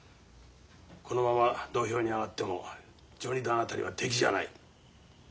このまま土俵に上がっても序二段辺りは敵じゃない。